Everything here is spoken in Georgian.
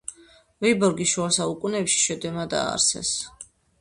ვიბორგი შუა საუკუნეებში შვედებმა დააარსეს.